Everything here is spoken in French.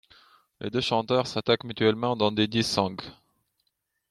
Les deux chanteurs s'attaquent mutuellement dans des diss songs.